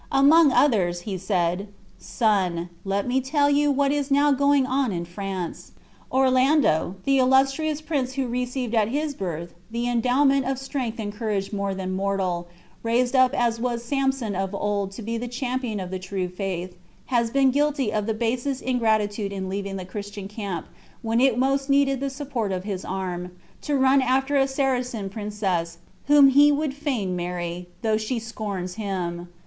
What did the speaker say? Among others, he said, "Son, let me tell you what is now going on in France. Orlando, the illustrious prince who received at his birth the endowment of strength and courage more than mortal, raised up as was Samson of old to be the champion of the true faith, has been guilty of the basest ingratitude in leaving the Christian camp when it most needed the support of his arm, to run after a Saracen princess, whom he would fain marry, though she scorns him.